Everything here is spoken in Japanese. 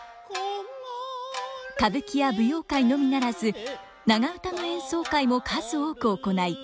歌舞伎や舞踊界のみならず長唄の演奏会も数多く行い